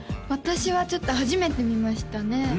私はちょっと初めて見ましたね